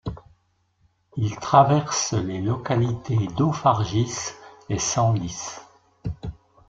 Il traverse les localités d'Auffargis et Senlisse.